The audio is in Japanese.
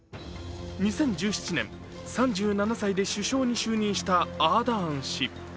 ２０１７年、３７歳で首相に就任したアーダーン氏。